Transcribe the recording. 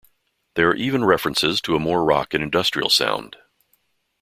There are even references to a more rock and industrial sound.